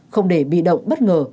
không để bị động bất ngờ